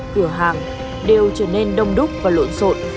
cửa hàng đều trở nên đông đúc và lộn xộn